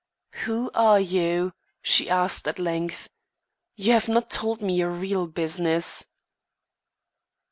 "Who are you?" she asked at length. "You have not told me your real business."